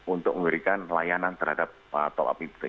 untuk memberikan layanan terhadap pak tol api